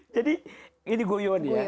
jadi ini guyon ya